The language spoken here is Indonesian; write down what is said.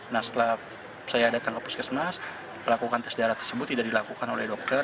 nah setelah saya datang ke puskesmas melakukan tes darah tersebut tidak dilakukan oleh dokter